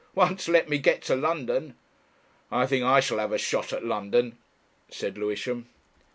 Once let me get to London...." "I think I shall have a shot at London," said Lewisham.